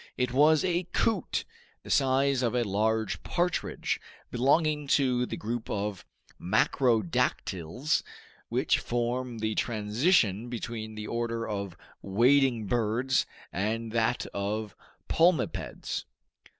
It was a "coot," the size of a large partridge, belonging to the group of macrodactyls which form the transition between the order of wading birds and that of palmipeds.